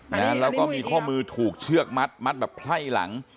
นะฮะแล้วก็มีข้อมือถูกเชือกมัดมัดแบบไพ่หลัง